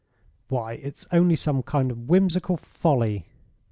"Why, it's only some kind of whimsical folly."